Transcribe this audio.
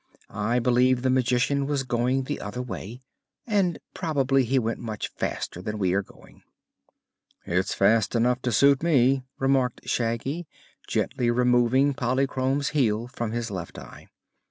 "I believe the Magician was going the other way, and probably he went much faster than we are going." "It's fast enough to suit me," remarked Shaggy, gently removing Polychrome's heel from his left eye.